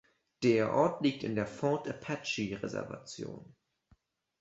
Der Ort liegt in der Fort-Apache-Reservation.